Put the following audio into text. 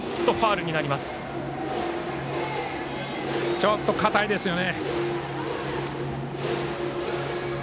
ちょっと硬いですよね。